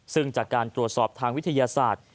ซึ่งจากการตรวจสอบทางวิทยาศาสตร์